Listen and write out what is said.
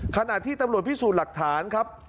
ขณะที่ตำรวจพิสูจน์หลักฐานครับ